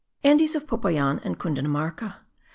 Andes of Popayan and Cundinamarca.